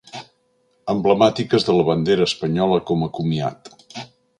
Emblemàtiques de la bandera espanyola com a comiat.